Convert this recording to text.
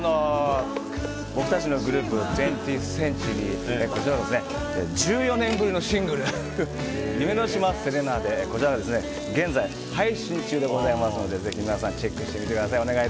僕たちのグループ２０ｔｈＣｅｎｔｕｒｙの１４年ぶりのシングル「夢の島セレナーデ」が現在、配信中ですのでぜひ皆さんチェックしてみてください。